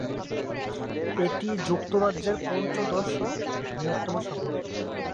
এটি যুক্তরাজ্যের পঞ্চদশ বৃহত্তম শহর।